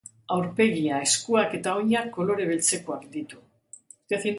Aurpegia, eskuak eta oinak kolore beltzekoak ditu.